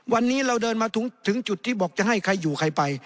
วันนี้เราเดินมาถึงจุดที่บอกจะให้ใครอยู่ใครไป